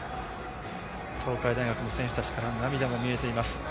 東海大学の選手たちから涙も見えています。